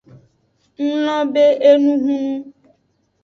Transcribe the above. Nglobe enu hunu.